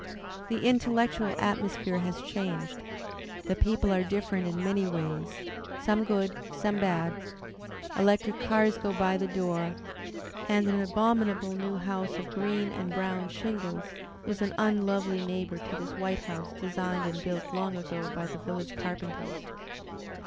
The intellectual atmosphere has changed, the people are different in many ways, some good, some bad; electric cars go by the door, and an abominable new house of green and brown shingles is an unlovely neighbour to this white house designed and built long ago by the village carpenters.